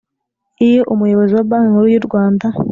Iyo umuyobozi wa banki nkuru y u rwanda